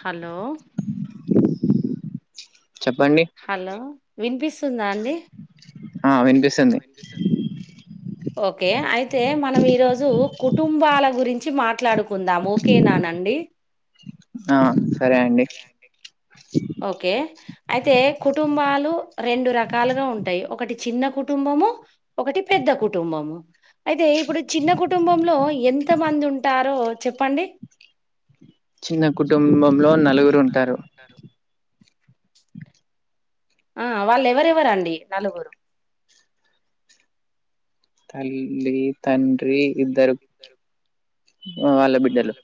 Hello చెప్పండి hello వినిపిస్తుందా అండి ఆ వినిపిస్త్ ఆ వినిపిస్తుంది ఓకే అయితే మనం ఈరోజు కుటుంబాల గురించి మాట్లాడు కుందాం ఓకేనానండి ఆ సరే అండి ఓకే అయితే కుటుంబాలు రెండు రకాలుగా ఉంటాయి ఒకటి చిన్న కుటుంబము ఒకటి పెద్ద కుటుంబము అయితే ఇప్పుడు చిన్న కుటుంబంలో ఎంత మంది ఉంటారో చెప్పండి చిన్న కుటుంబంలో నలుగురు ఉంటారు ఆ వాళ్ళు ఎవరెవరండి నలుగురు తల్లి తండ్రి ఇద్దరు ఆ వాళ్ళ బిడ్డలు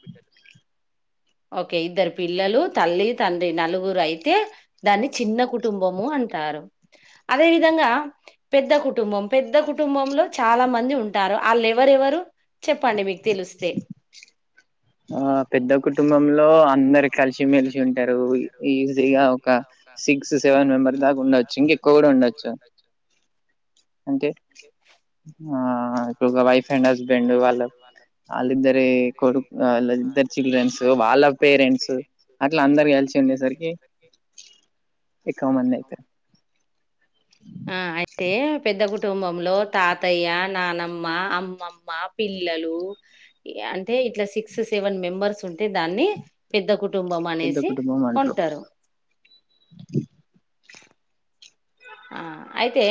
ఓకే ఇద్దరు పిల్లలు తల్లి తండ్రి నలుగురు అయితే దాన్ని చిన్న కుటుంబము అంటారు అదే విధంగా పెద్ద కుటుంబం పెద్ద కుటుంబంలో చాలా మంది ఉంటారు ఆళ్ళు ఎవరెవరు చెప్పండి మీకు తెలిస్తే ఆ పెద్ద కుటుంబంలో అందరు కలిసిమెలిసి ఉంటారు ఈ ఇగ ఒక సిక్స్ సెవెన్ మెంబర్ దాకా ఉండచ్చు ఇంకా ఎక్కువ కూడా ఉండొచ్చు అంటే ఆ ఇప్పుడు ఒక వైఫ్ అండ్ హస్బెండ్ వాళ్ళ అళ్ళ ఇద్దరి కొడు ఆళ్ళ ఇద్దరి చిల్డ్రెన్స్ వాళ్ళ పేరెంట్స్ అట్లా అందరు కలిసి ఉండేసరికి ఎక్కువ మంది అయితరు ఆ అయితే పెద్ద కు టుంబంలో తాతయ్య నానమ్మ అమ్మమ్మ పిల్లలు ఇయా అంటే ఇట్లా సిక్స్ సెవెన్ మెంబర్స్ ఉంటే దాన్ని పెద్ద కు టుంబం పెద్ద అనేసి కుటుంబం అంటారు ఆ అయితే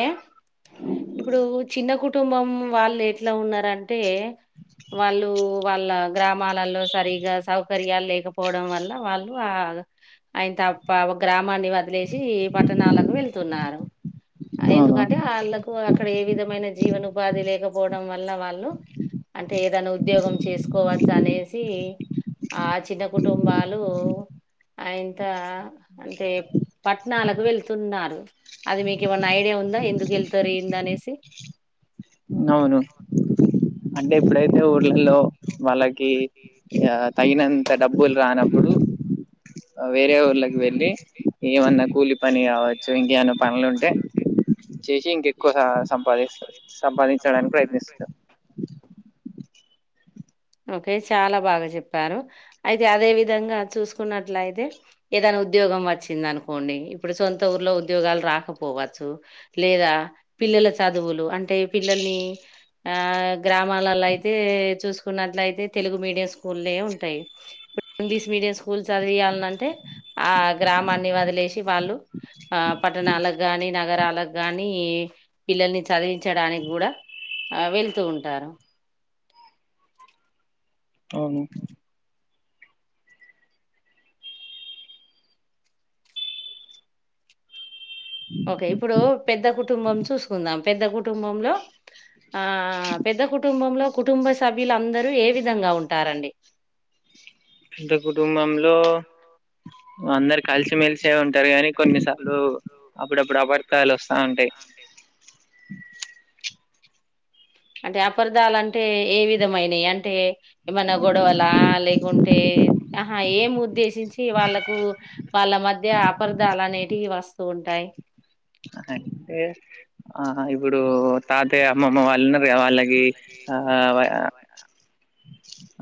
ఇప్పుడు చిన్న కుటుంబం వాళ్ళు ఎట్లా ఉన్నారం టే వాళ్ళు వాళ్ళ గ్రామాలలో సరిగా సౌకర్యాలు లేకపోవడం వల్ల వాళ్ళు ఆ ఆయన తప్ప ఒక గ్రామాన్ని వదిలేసి పట్టణాలకు వెళ్తున్నారు అవును ఎందుకంటే వాళ్ళలకు అక్కడ ఏ విధమైన జీవనఉపాధి లేకపోవడం వల్ల వాళ్ళు అంటే ఏదైనా ఉద్యోగం చేసుకోవచ్చు అనేసి ఆ చిన్న కుటుంబాలు అ ఇంత అంటే పట్టణాలకు వెళ్తున్నారు అది మీకు ఏమన్నా ఐడియా ఉందా ఎందుకు వెళ్తారు ఏంద అనేసి. అవును అంటే ఎప్పుడైతే ఊర్ళలో వాళ్ళకి యా తగినంత డబ్బులు రానప్పుడు వేరే ఊళ్ళకి వెళ్ళి ఏమన్నా కూలి పని కావచ్చు ఇంకేమన్న పనులుంటే చేసి ఇంకెక్కువ సంపాదిస్ సంపాదించడానికి ప్రయత్నిస్తారు ఓకే చాలా బాగా చెప్పారు అయితే అదే విధంగా చూసుకున్నట్ల అయితే ఏదైనా ఉద్యోగం వచ్చింది అనుకోండి ఇప్పుడు సొంత ఊర్లో ఉద్యోగాలు రాకపోవచ్చు లేదా పిల్లల చదువులు అంటే పిల్లలనీ ఆ గ్రామాలలో అయితే చూసుకో న్నట్లయితే తెలుగు మీడియం స్కూల్ ఉంటాయి ఇప్పుడు ఇంగ్లీష్ మీడియం స్కూల్ స్కూల్ చదివయాలనింటే ఆ గ్రామాన్ని వదిలేసి వాళ్ళు ఆ పట్టణాలకు గానీ నగరాలకు గాని పిల్లల్ని చదివించడానికి కూడా ఆ వెళ్తూ ఉంటారు అవును ఓకే ఇప్పుడు పెద్ద కుటుంబం చూసుకుందాం పెద్ద కుటుంబంలో ఆ పెద్ద కుటుంబంలో కుటుంబ సభ్యులు అందరూ ఏ విధంగా ఉంటారండి ఇంకా కుటుంబంలో అందరు కలిసిమెలిసే ఉంటారు గాని కొన్నిసార్లు అప్పుడప్పుడు అపటికాయలు వస్తా ఉంటాయి అంటే అపర్ధాలుంటే ఏ విధమైనయి అంటే ఏమన్నా గొడవల లేకుంటే ఆహా ఏం ఉద్దేశించి టి వాళ్ళలకు వాళ్ళ మధ్య అపర్ధాలు అనేటివి వస్తూ ఉంటాయి అంటే ఆ ఇప్పుడు తాతే అమ్మమ్మ వాళ్ళు ఉన్నారుగా వాళ్ళుకి ఆ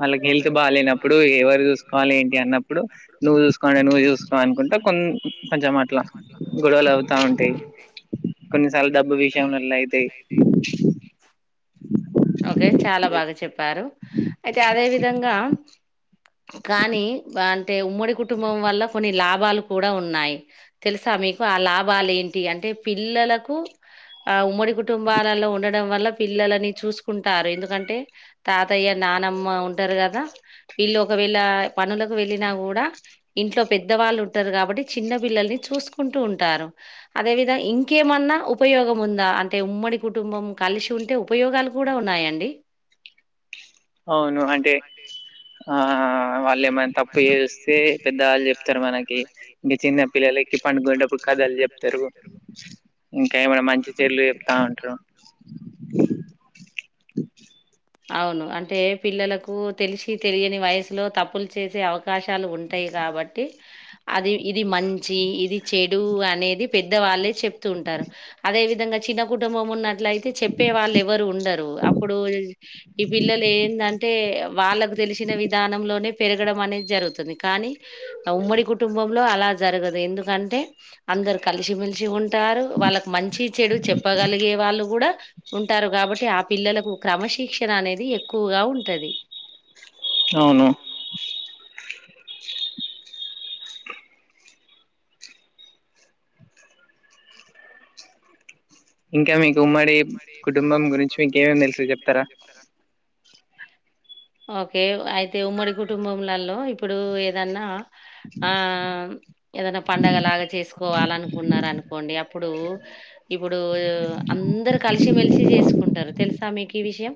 వాళ్ళకి హెల్త్ బాలేనప్పుడు ఎవరు చూసుకోవాలి ఏంటి అన్నప్పుడు నువ్వు చూసుకోండి నువ్వు చూసుకోవ అనుకుంటా కొ కొంచెం అట్లా గొడవలు అవుతా ఉంటాయి కొన్నిసార్లు డబ్బు విషాము వల్ల అయితే ఓకే చాలా బాగా చెప్పారు అయితే అదే విధంగా కానీ అంటే ఉమ్మడి కుటుంబం వల్ల కొన్ని లాభలు కూడా ఉన్నాయి తెలుసా మీకు ఆ లాభాలు ఏంటి అంటే పిల్లలకు ఆ ఉమ్మడి కుటుంబాలలో ఉండడం వల్ల పిల్లలని చూసుకుంటారు ఎందుకంటే తాతయ్య నానమ్మ ఉంటారు కదా వీళ్ళు ఒకవేళ పనులకు వెళ్ళిన కూడా ఇంట్లో పెద్ద వాళ్ళు ఉంటారు కాబట్టి చిన్న పిల్లల్ని చూసుకుంటూ ఉంటారు అదేవిధం ఇంకేమన్నా ఉపయోగం ఉందా అంటే ఉమ్మడి కుటుంబం కలిసి ఉంటే ఉపయోగాలు కూడా ఉన్నాయండి అవును అంటే ఆ ఏమని తప్పు చేస్తే పెద్దవాళ్ళు చెప్తారు మనకి ఇంకా చిన్న పిల్లలకి పండుకునేటప్పుడు కధాలు చెపుతారు తెరుగు ఇంకా ఏమైనా మంచి చర్లు చెప్తా ఉంటారు అవును అంటే పిల్లలకు తెలిసి తెలియని వయసులో తప్పులు చేసే అవకాశాలు ఉంటాయి కాబట్టి అది ఇది మంచి ఇది చెడు అనేది పెద్ద వాళ్ళే చెప్తు ఉంటారు అదే విధంగా చిన్న కుటుంబం ఉన్నట్ల అయితే చెప్పే వాళ్ళు ఎవరు ఉండరు అప్పుడు ఈ పిల్లలు ఏంటంటే వాళ్ళకు తెలిసిన విధానంలోనే పెరగడం అనేది జరుగుతుంది కానీ ఉమ్మడి కుటుంబంలో అలా జరగదు ఎందుకంటే అందరు కలిసిమెలిసి ఉంటారు వాళ్ళకి మంచి చెడు చెప్పగలిగే వాళ్ళు కూడా ఉంటారు కాబట్టి ఆ పిల్లలకు క్రమశిక్షణ అనేది ఎక్కువగా ఉంటది అవును ఇంకా మీకు ఉమ్మడి కుటుంబం గురించి మీకేమేమి తెలుసు చెప్తారా ఓకే అయితే ఉమ్మడి కుటుంబంలలో ఇప్పుడు ఏదన్నా ఆ ఏదైనా పండగలాగా చేసుకోవాల అనుకున్న అనుకోండి అప్పుడు ఇప్పుడు అందరు కలిసిమెలిసి చేసుకుంటారు తెలుసా మీకు ఈ విషయం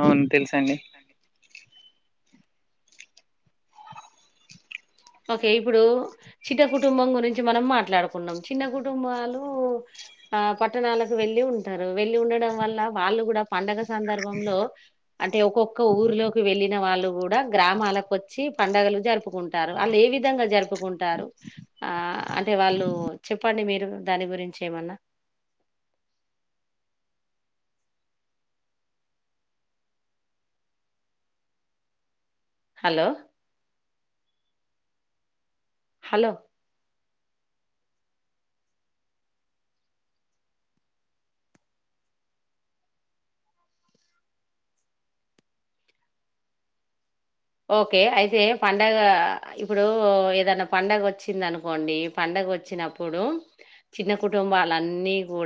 అవును తెలుసు అండి అే ఓకే ఇప్పుడు చిన్న కుటుంబం గురించి మనం మాట్లాడుకున్నాం చిన్న కుటుంబాలు ఆ పట్టణాలకు వెళ్లి ఉంటారు వెళ్ళి ఉండడం వల్ల వాళ్ళు కూడా పండగ సందర్భంలో అంటే ఒక్కొక్క ఊర్లోకి వెళ్ళిన వాళ్ళు కూడా గ్రామాలకు వచ్చి పండుగలు జరుపుకుంటారు వాళ్ళు ఏ విధంగా జరుపుకుంటారు ఆ అంటే వాళ్ళు చెప్పండి మీరు దాని గురించి ఏమన్నా హలో హలో ఓకే అయితే పండగ ఇప్పుడు ఏదన్న పండగ వచ్చింది అనుకోండి పండగ వచ్చినప్పు ఇప్పుడు చిన్న కుటుంబాలన్నీ కూడా